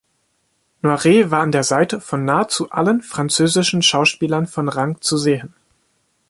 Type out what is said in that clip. Noiret war an der Seite von nahezu allen französischen Schauspielern von Rang zu sehen.